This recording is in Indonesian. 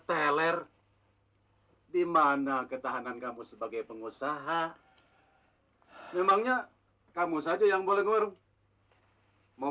teler dimana ketahanan kamu sebagai pengusaha memangnya kamu saja yang boleh nguru mau